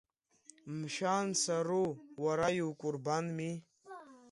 Мшәан, Сару уара иукәырбанми?!